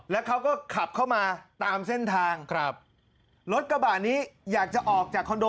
แล้วเขาก็ขับเข้ามาตามเส้นทางครับรถกระบะนี้อยากจะออกจากคอนโด